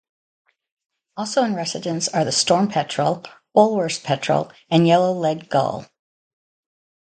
Also in residence are the storm petrel, Bulwer's petrel and yellow-legged gull.